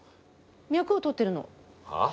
脈をとってるのはあ？